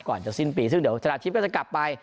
ก่อนจะสิ้นปีซึ่งเดี๋ยวชนะทิพย์ก็จะกลับไป